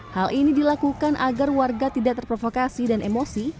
hal ini dilakukan agar warga tidak terprovokasi dan emosi